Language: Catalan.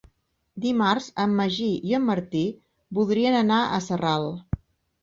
Dimarts en Magí i en Martí voldrien anar a Sarral.